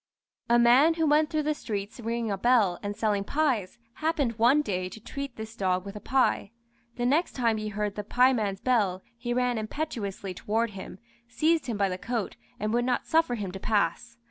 A man who went through the streets ringing a bell and selling pies, happened one day to treat this dog with a pie. The next time he heard the pieman's bell he ran impetuously toward him, seized him by the coat, and would not suffer him to pass.